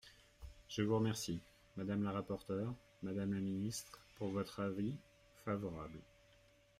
Je vous remercie, madame la rapporteure, madame la ministre, pour votre avis favorable.